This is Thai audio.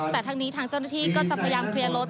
แต่ทางนี้ทางเจ้าหน้าที่ก็จะพยายามเคลียร์รถ